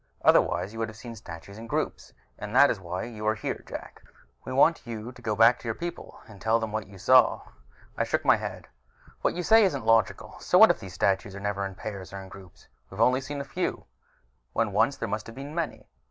Otherwise you would have seen statues in groups. And that is why you are here, Jak: we want you to go back to your people and tell them what you saw." I shook my head. "What you say isn't logical. So what if the statues are never in pairs or groups? We've only seen a few, when once there must have been many.